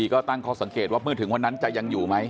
ก็ตั้งข้อสังเกตว่าเมื่อถึงวันนั้นจะยังอยู่ไหม